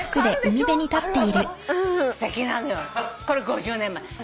これ５０年前。